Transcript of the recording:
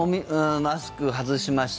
マスク外しました